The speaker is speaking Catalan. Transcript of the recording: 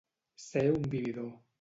Ser un vividor.